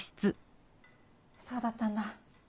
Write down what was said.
そうだったんだ。